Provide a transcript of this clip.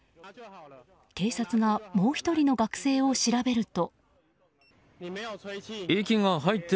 警察がもう１人の学生を調べると。